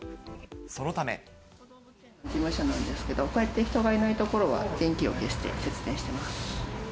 事務所なんですけど、こうやって人がいない所は電気を消して節電しています。